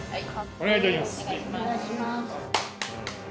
お願いします